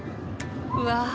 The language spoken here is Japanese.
うわ